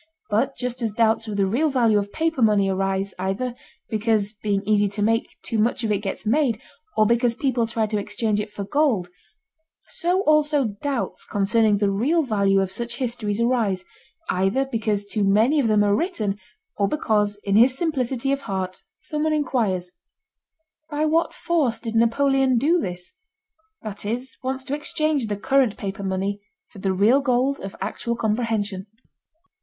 But just as doubts of the real value of paper money arise either because, being easy to make, too much of it gets made or because people try to exchange it for gold, so also doubts concerning the real value of such histories arise either because too many of them are written or because in his simplicity of heart someone inquires: by what force did Napoleon do this?—that is, wants to exchange the current paper money for the real gold of actual comprehension.